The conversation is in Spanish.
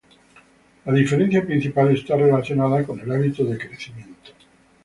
La diferencia principal está relacionada con el hábito de crecimiento.